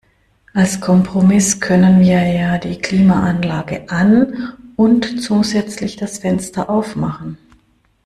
Als Kompromiss können wir ja die Klimaanlage an und zusätzlich das Fenster auf machen.